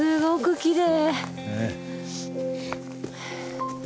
きれい。